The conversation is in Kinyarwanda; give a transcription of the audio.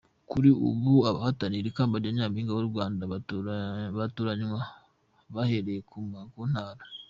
Kuri ubu abahatanira ikamba rya Nyampinga w’u Rwanda batoranywa bahereye ku ntara.